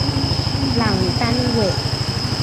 朗丹韦。